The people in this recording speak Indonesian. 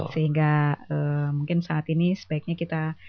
sehingga mungkin saat ini sebaiknya kita